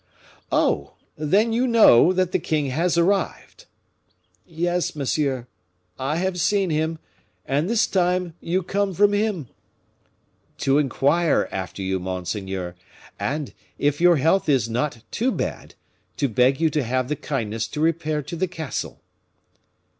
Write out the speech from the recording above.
"Oh, then you know that the king has arrived?" "Yes, monsieur, I have seen him; and this time you come from him " "To inquire after you, monseigneur; and, if your health is not too bad, to beg you to have the kindness to repair to the castle."